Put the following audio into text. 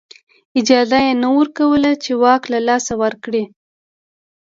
اجازه یې نه ورکوله چې واک له لاسه ورکړي.